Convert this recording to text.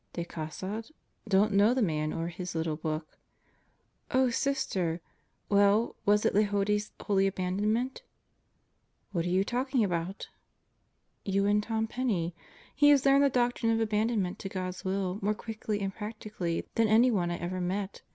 "De Caussade? Don't know the man or his little book." "Oh, Sister! ... Well, was it Lehodey's Holy Abandonment?" "What are you talking about?" "You and Tom Penney. He has learned the Doctrine of Aban donment to God's Will more quickly and practically than anyone I ever met.